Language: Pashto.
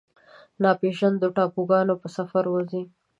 د ناپیژاندو ټاپوګانو په سفر وځي